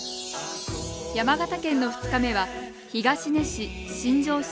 山形県の２日目は東根市新庄市